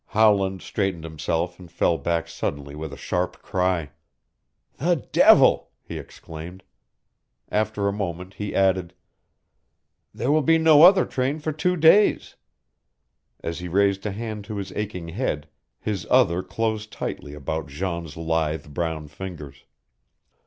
Howland straightened himself and fell back suddenly with a sharp cry. "The devil!" he exclaimed. After a moment he added, "There will be no other train for two days." As he raised a hand to his aching head, his other closed tightly about Jean's lithe brown fingers.